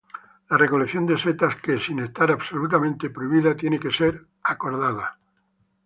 La recolección de setas que, sin estar absolutamente prohibida, tiene que ser acordada.